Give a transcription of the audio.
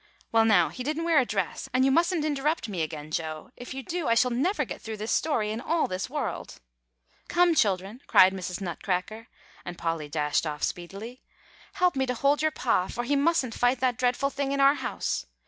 "Well, now, he didn't wear a dress, and you mustn't interrupt me again, Joe; if you do, I shall never get through this story in all this world. 'Come, children,' cried Mrs. Nutcracker," and Polly dashed off speedily; "'help me to hold your Pa, for he mustn't fight that dreadful thing in our house.